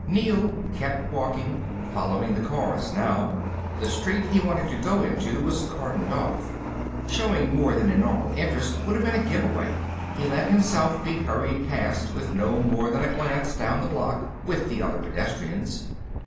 Neel kept walking, following the cars now. The street he wanted to go into was cordoned off. Showing more than a normal interest would have been a giveaway. He let himself be hurried past, with no more than a glance down the block, with the other pedestrians.